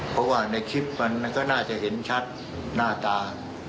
เพราะว่าในคลิปมันก็น่าจะเห็นชัดหน้าตา